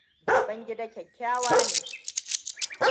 Babangida kyakkyawa ne.